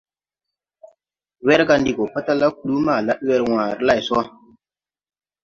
Werga ndi go patala kluu ma lad wer wããre lay so.